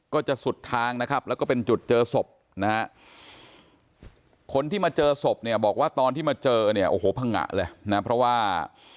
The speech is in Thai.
ก็จะสุดทางนะครับแล้วก็เป็นจุดเจอศพนะฮะคนที่มาเจอศพเนี่ยบอกว่าตอนที่มาเจอเนี่ยโอ้โหพังงะเลยนะเพราะว่า